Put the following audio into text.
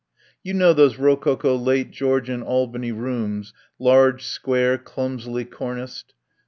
You know those rococo, late Georgian Al bany rooms, large, square, clumsily corniced.